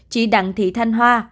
chị đặng thị thanh hoa